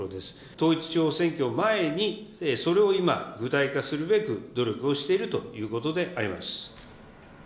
統一地方選挙を前に、それを今、具体化するべく努力をしているということであります。